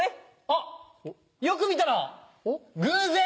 あっよく見たら偶然！